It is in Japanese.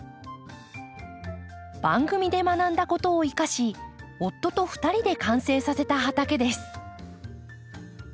番組で学んだことを生かし夫と２人で完成させた畑です。